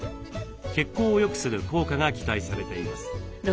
血行をよくする効果が期待されています。